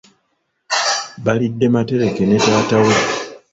Balidde matereke ne taata we.